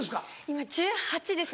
今１８です。